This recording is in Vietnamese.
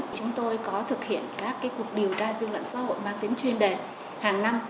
chúng tôi có thực hiện các cuộc điều tra dư luận xã hội mang tính chuyên đề hàng năm